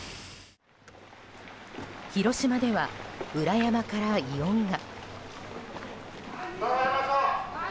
広島では裏山から異音が。